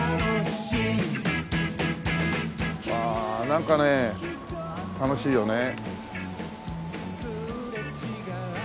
なんかね楽しいよね。